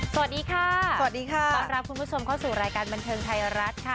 สวัสดีค่ะสวัสดีค่ะต้อนรับคุณผู้ชมเข้าสู่รายการบันเทิงไทยรัฐค่ะ